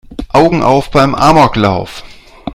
Augen auf beim Amoklauf!